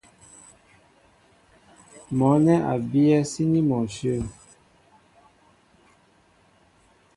Mɔ̌ nɛ́ a bíyɛ́ síní mɔ ǹshyə̂.